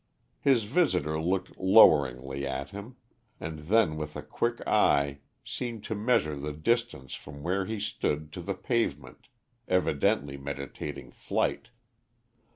His visitor looked loweringly at him, and then with a quick eye, seemed to measure the distance from where he stood to the pavement, evidently meditating flight.